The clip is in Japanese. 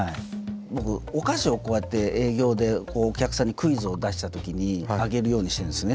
僕お菓子をこうやって営業でお客さんにクイズを出したときにあげるようにしてるんですね。